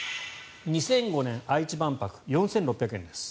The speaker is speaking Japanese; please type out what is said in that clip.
２００５年の愛知万博４６００円です。